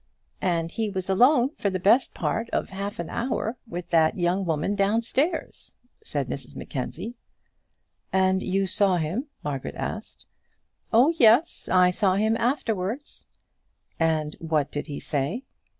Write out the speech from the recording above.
"And he was alone, for the best part of half an hour, with that young woman downstairs," said Mrs Mackenzie. "And you saw him?" Margaret asked. "Oh, yes; I saw him afterwards." "And what did he say?"